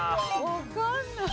わかんない。